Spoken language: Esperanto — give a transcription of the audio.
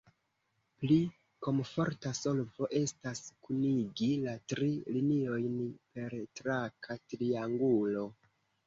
Pli komforta solvo estas kunigi la tri liniojn per traka triangulo.